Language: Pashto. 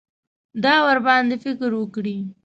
دا ورباندې فکر وکړي.